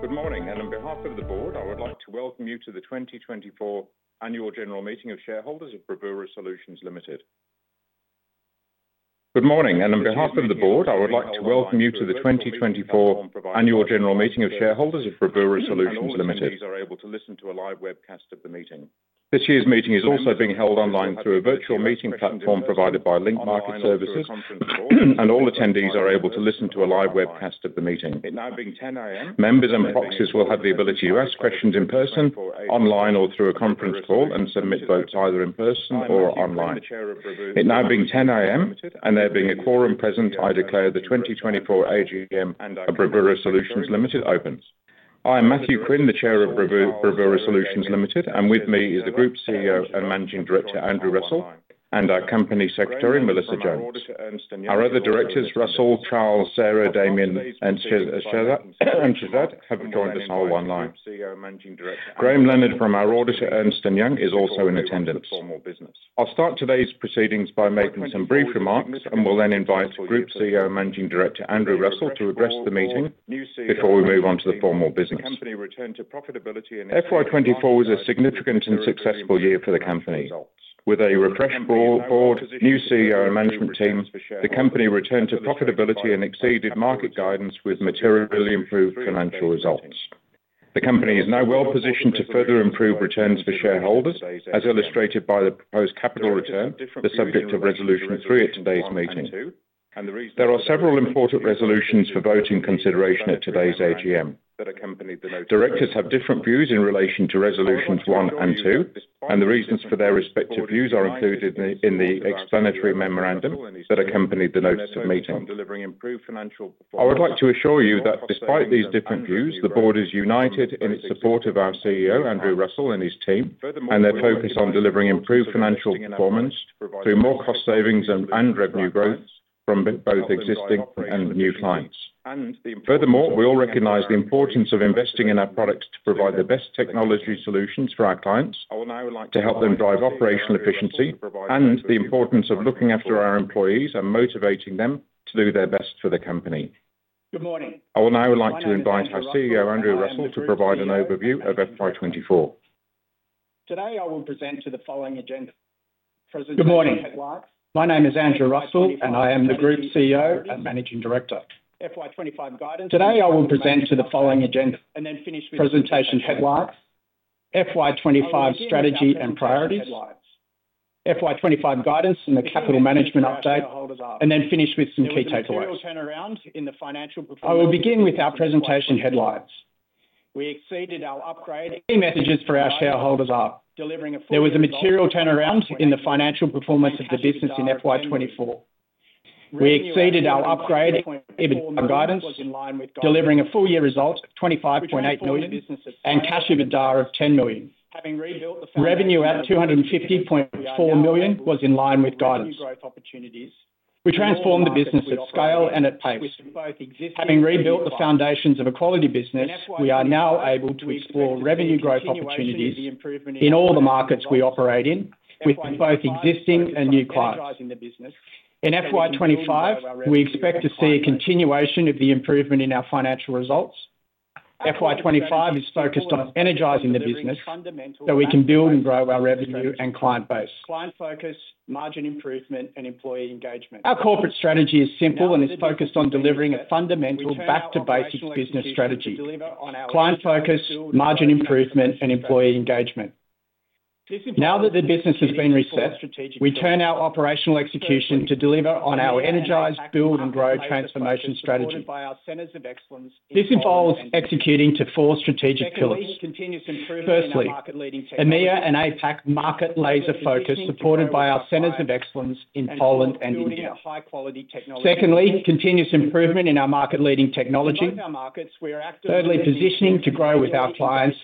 Good morning. And on behalf of the board, I would like to welcome you to the 2024 Annual General Meeting of Shareholders of Bravura Solutions Limited. This year's meeting is also being held online through a virtual meeting platform provided by Link Market Services, and all attendees are able to listen to a live webcast of the meeting. Members and proxies will have the ability to ask questions in person, online, or through a conference call and submit votes either in person or online. It now being 10:00 A.M., and there being a quorum present, I declare the 2024 AGM of Bravura Solutions Limited open. I am Matthew Quinn, the Chair of Bravura Solutions Limited, and with me is the Group CEO and Managing Director Andrew Russell, and our Company Secretary, Melissa Jones. Our other directors, Russell, Charles, Sarah, Damien, and Shezad have joined us all online. Graham Leonard from our auditor, Ernst & Young, is also in attendance. I'll start today's proceedings by making some brief remarks, and we'll then invite Group CEO and Managing Director Andrew Russell to address the meeting before we move on to the formal business. FY24 was a significant and successful year for the company. With a refreshed board, new CEO, and management team, the company returned to profitability and exceeded market guidance with materially improved financial results. The company is now well positioned to further improve returns for shareholders, as illustrated by the proposed capital return the subject of resolution three at today's meeting. There are several important resolutions for vote in consideration at today's AGM. Directors have different views in relation to resolutions one and two, and the reasons for their respective views are included in the explanatory memorandum that accompanied the notice of meeting. I would like to assure you that despite these different views, the board is united in its support of our CEO, Andrew Russell, and his team, and their focus on delivering improved financial performance through more cost savings and revenue growth from both existing and new clients. Furthermore, we all recognize the importance of investing in our products to provide the best technology solutions for our clients, to help them drive operational efficiency, and the importance of looking after our employees and motivating them to do their best for the company. I would now like to invite our CEO, Andrew Russell, to provide an overview of FY24. Today, I will present the following agenda. Good morning. My name is Andrew Russell, and I am the Group CEO and Managing Director. FY25 guidance. Today, I will present to the following agenda. And then finish with. Presentation headlines. FY25 strategy and priorities. FY25 guidance and the capital management update, and then finish with some key takeaways. Material turnaround in the financial performance. I will begin with our presentation headlines. We exceeded our upgrade. Key messages for our shareholders are. There was a material turnaround in the financial performance of the business in FY24. We exceeded our upgrade in guidance, delivering a full-year result of 25.8 million and Cash EBITDA of 10 million dollar. Revenue at 250.4 million was in line with guidance. We transformed the business at scale and at pace. Having rebuilt the foundations of a quality business, we are now able to explore revenue growth opportunities in all the markets we operate in with both existing and new clients. In FY25, we expect to see a continuation of the improvement in our financial results. FY25 is focused on energizing the business so we can build and grow our revenue and client base. Client focus, margin improvement, and employee engagement. Our corporate strategy is simple and is focused on delivering a fundamental back-to-basic business strategy. Client focus, margin improvement, and employee engagement. Now that the business has been reset, we turn our operational execution to deliver on our energized, build, and grow transformation strategy. This involves executing to four strategic pillars. Firstly, an EMEA and APAC market laser focus supported by our centers of excellence in Poland and India. Secondly, continuous improvement in our market-leading technology. Thirdly, positioning to grow with our clients,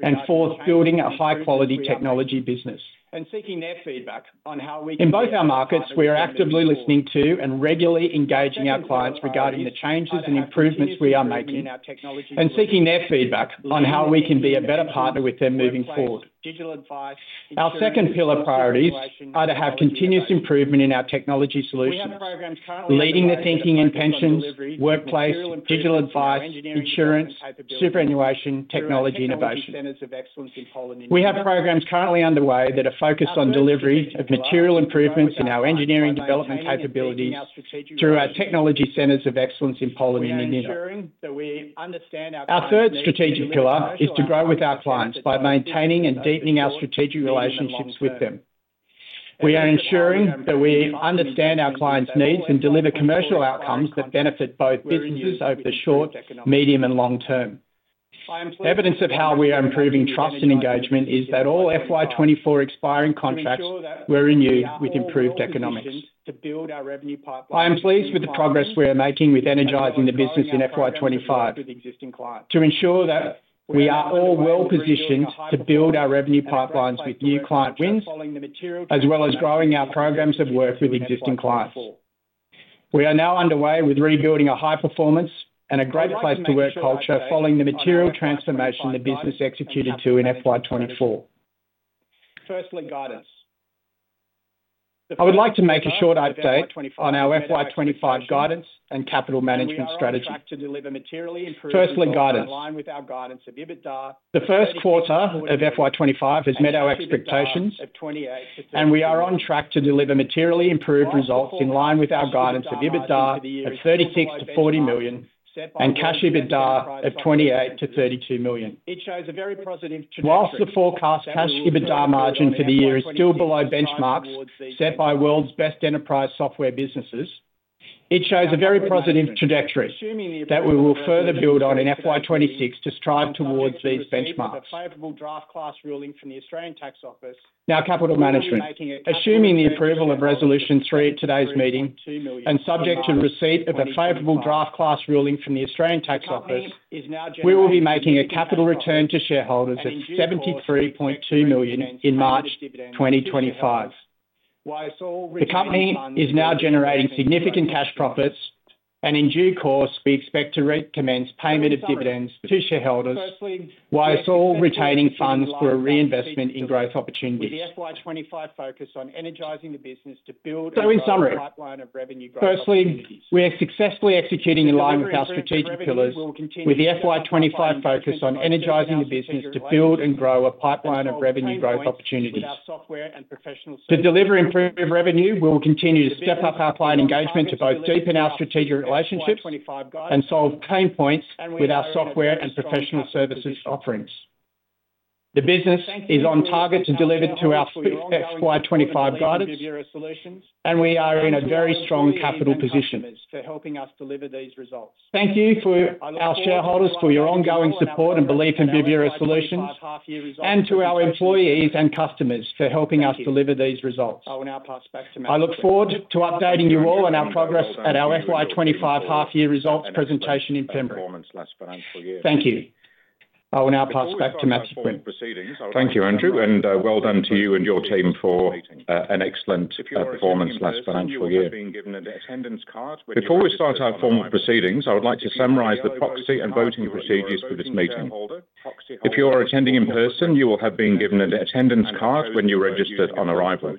and fourth, building a high-quality technology business. And seeking their feedback on how we can. In both our markets, we are actively listening to and regularly engaging our clients regarding the changes and improvements we are making and seeking their feedback on how we can be a better partner with them moving forward. Our second pillar priorities are to have continuous improvement in our technology solutions, leading the thinking in pensions, workplace, digital advice, insurance, superannuation, technology innovation. We have programs currently underway that are focused on delivery of material improvements in our engineering development capabilities through our technology centers of excellence in Poland and India. Our third strategic pillar is to grow with our clients by maintaining and deepening our strategic relationships with them. We are ensuring that we understand our clients' needs and deliver commercial outcomes that benefit both businesses over the short, medium, and long term. Evidence of how we are improving trust and engagement is that all FY24 expiring contracts were renewed with improved economics. I am pleased with the progress we are making with energizing the business in FY25 to ensure that we are all well positioned to build our revenue pipelines with new client wins as well as growing our programs of work with existing clients. We are now underway with rebuilding a high performance and a great place to work culture following the material transformation the business executed in FY24. Firstly, guidance. I would like to make a short update on our FY25 guidance and capital management strategy. Firstly, guidance. The first quarter of FY25 has met our expectations, and we are on track to deliver materially improved results in line with our guidance of EBITDA of 36 million-40 million and cash EBITDA of 28 million-32 million. While the forecast cash EBITDA margin for the year is still below benchmarks set by world's best enterprise software businesses, it shows a very positive trajectory that we will further build on in FY26 to strive towards these benchmarks. Now, capital management. Assuming the approval of resolution three at today's meeting and subject to the receipt of a favorable draft class ruling from the Australian Taxation Office, we will be making a capital return to shareholders of 73.2 million in March 2025. The company is now generating significant cash profits, and in due course, we expect to recommence payment of dividends to shareholders while retaining funds for a reinvestment in growth opportunities, so in summary, firstly, we are successfully executing in line with our strategic pillars, with the FY25 focus on energizing the business to build and grow a pipeline of revenue growth opportunities. To deliver improved revenue, we will continue to step up our client engagement to both deepen our strategic relationships and solve pain points with our software and professional services offerings. The business is on target to deliver to our FY25 guidance, and we are in a very strong capital position. Thank you to our shareholders for your ongoing support and belief in Bravura Solutions, and to our employees and customers for helping us deliver these results. I look forward to updating you all on our progress at our FY25 half-year results presentation in February. Thank you. I will now pass back to Matthew Quinn. Thank you, Andrew. And well done to you and your team for an excellent performance last financial year. Before we start our formal proceedings, I would like to summarize the proxy and voting procedures for this meeting. If you are attending in person, you will have been given an attendance card when you registered on arrival.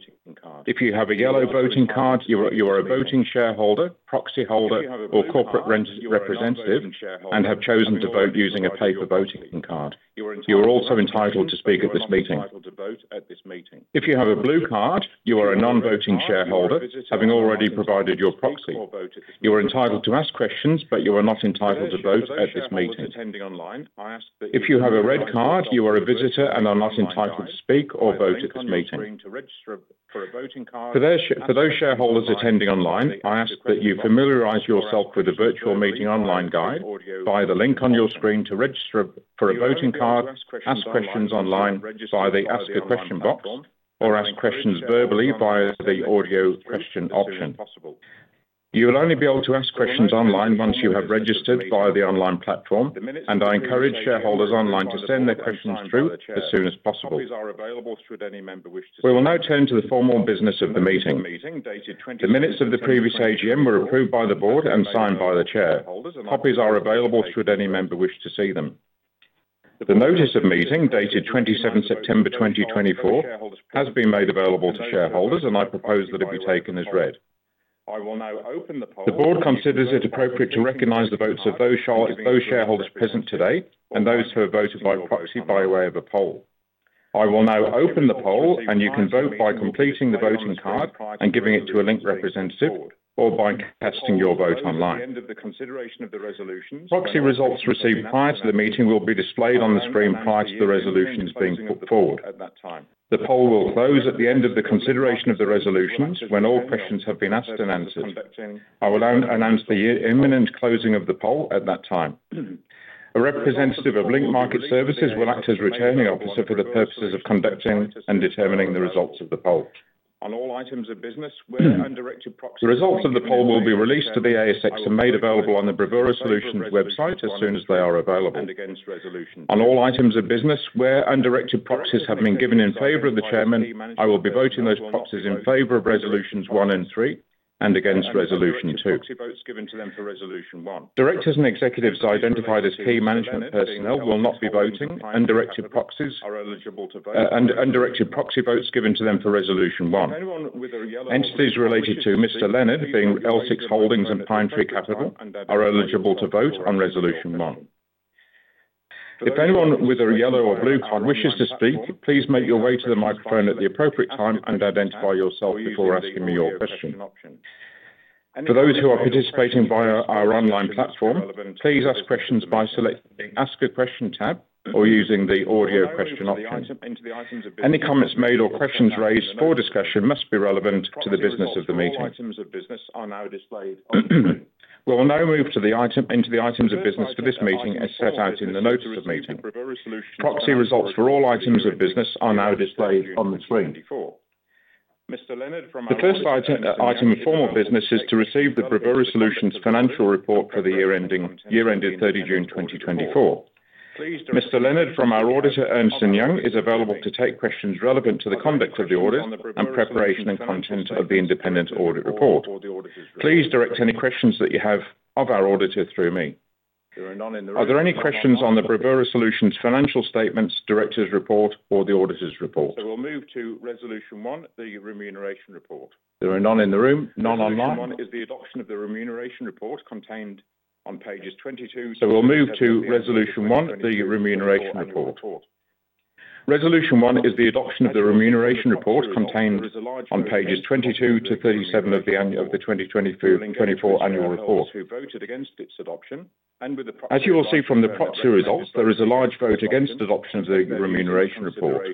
If you have a yellow voting card, you are a voting shareholder, proxy holder, or corporate representative and have chosen to vote using a paper voting card. You are also entitled to speak at this meeting. If you have a blue card, you are a non-voting shareholder, having already provided your proxy. You are entitled to ask questions, but you are not entitled to vote at this meeting. If you have a red card, you are a visitor and are not entitled to speak or vote at this meeting. For those shareholders attending online, I ask that you familiarize yourself with the virtual meeting online guide via the link on your screen to register for a voting card, ask questions online via the ask a question box, or ask questions verbally via the audio question option. You will only be able to ask questions online once you have registered via the online platform, and I encourage shareholders online to send their questions through as soon as possible. We will now turn to the formal business of the meeting. The minutes of the previous AGM were approved by the board and signed by the chair. Copies are available should any member wish to see them. The notice of meeting dated 27 September 2024 has been made available to shareholders, and I propose that it be taken as read. The board considers it appropriate to recognize the votes of those shareholders present today and those who have voted by proxy by way of a poll. I will now open the poll, and you can vote by completing the voting card and giving it to a Link Market Services representative or by casting your vote online. Proxy results received prior to the meeting will be displayed on the screen prior to the resolutions being put forward. The poll will close at the end of the consideration of the resolutions when all questions have been asked and answered. I will announce the imminent closing of the poll at that time. A representative of Link Market Services will act as returning officer for the purposes of conducting and determining the results of the poll. The results of the poll will be released to the ASX and made available on the Bravura Solutions website as soon as they are available. On all items of business where undirected proxies have been given in favor of the chairman, I will be voting those proxies in favor of resolutions one and three and against resolution two. Directors and executives identified as key management personnel will not be voting, and undirected proxy votes given to them for resolution one. Entities related to Mr. Leonard, being L6 Holdings and Pinetree Capital, are eligible to vote on resolution one. If anyone with a yellow or blue card wishes to speak, please make your way to the microphone at the appropriate time and identify yourself before asking me your question. For those who are participating via our online platform, please ask questions by selecting the ask a question tab or using the audio question option. Any comments made or questions raised for discussion must be relevant to the business of the meeting. We will now move into the items of business for this meeting as set out in the notice of meeting. Proxy results for all items of business are now displayed on the screen. The first item of formal business is to receive the Bravura Solutions financial report for the year ending 30 June 2024. Mr. Leonard from our auditor, Ernst & Young, is available to take questions relevant to the conduct of the audit and preparation and content of the independent audit report. Please direct any questions that you have of our auditor through me. Are there any questions on the Bravura Solutions financial statements, director's report, or the auditor's report? We will move to Resolution 1, the remuneration report. There are none in the room, none online. Resolution one is the adoption of the remuneration report contained on pages 22-37. So we'll move to resolution one, the remuneration report. Resolution one is the adoption of the remuneration report contained on pages 22-37 of the 2024 annual report. As you will see from the proxy results, there is a large vote against adoption of the remuneration report.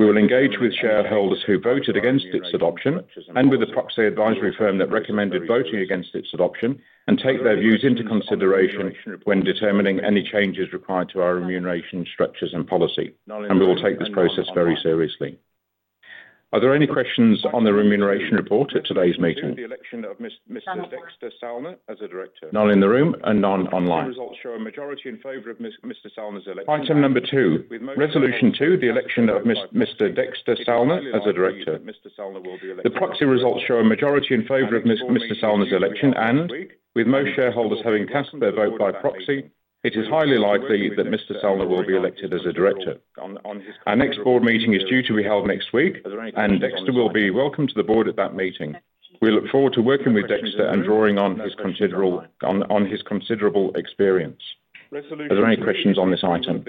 We will engage with shareholders who voted against its adoption and with the proxy advisory firm that recommended voting against its adoption and take their views into consideration when determining any changes required to our remuneration structures and policy, and we will take this process very seriously. Are there any questions on the remuneration report at today's meeting? None in the room and none online. Item number two, resolution two, the election of Mr. Dexter Salna as a director. The proxy results show a majority in favor of Mr. Salnas election, and with most shareholders having cast their vote by proxy, it is highly likely that Mr. Salna will be elected as a director. Our next board meeting is due to be held next week, and Dexter will be welcomed to the board at that meeting. We look forward to working with Dexter and drawing on his considerable experience. Are there any questions on this item?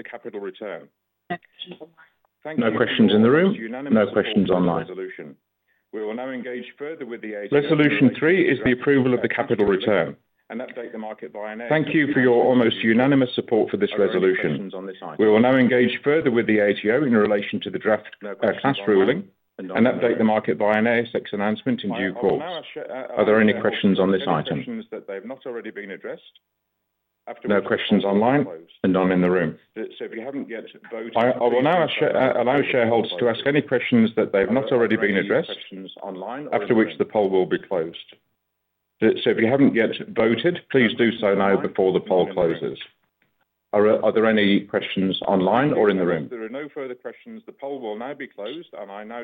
No questions in the room, no questions online. Resolution three is the approval of the capital return. Thank you for your almost unanimous support for this resolution. We will now engage further with the ATO in relation to the draft class ruling and update the market by an ASX announcement in due course. Are there any questions on this item? No questions online, and none in the room. I will now allow shareholders to ask any questions that they have not already been addressed, after which the poll will be closed, so if you haven't yet voted, please do so now before the poll closes. Are there any questions online or in the room? There are no further questions. The poll will now be closed, and I now.